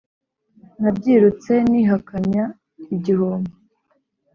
nabyirutse nihakanye igihombo